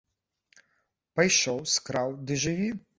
Пайшоў, скраў, ды жыві!